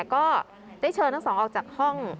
ก็ได้เชิญทั้งสองออกจากห้อง